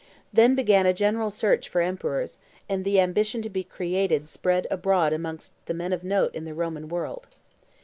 Then began a general search for emperors; and the ambition to be created spread abroad amongst the men of note in the Roman world.